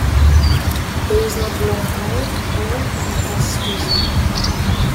There is no block I, O, and S to Z.